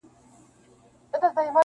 پر اوږو د وارثانو جنازه به دي زنګېږي،